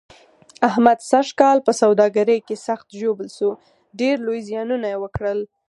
احمد سږ کال په سوداګرۍ کې سخت ژوبل شو، ډېر لوی زیانونه یې وکړل.